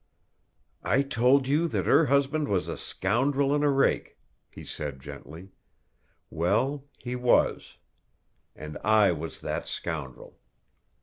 "I told you that her husband was a scoundrel and a rake," he said gently. "Well, he was and I was that scoundrel!